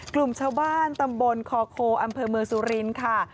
กลุ่มชาวบ้านตำบลคโคอมสุรินค่ะ